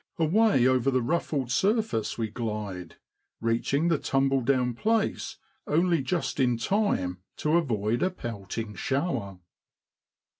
Away over the ruffled surface we glide, reaching the tumble down place only just in time to avoid a pelting shower.